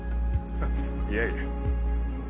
いやいや。